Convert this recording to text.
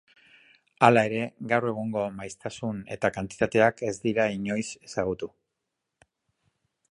Hala ere, gaur egungo maiztasun eta kantitateak ez dira inoiz ezagutu.